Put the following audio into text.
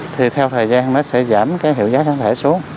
thì theo thời gian nó sẽ giảm cái hiệu giá cá thể xuống